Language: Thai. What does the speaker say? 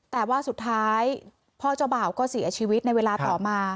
แต่ว่าสุดท้ายพ่อเจ้าบ่าวก็เสียชีวิตในเวลาต่อมา